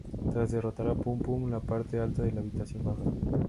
Tras derrotar a Pum Pum la parte alta de la habitación baja.